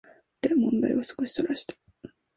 で問題を少しそらして、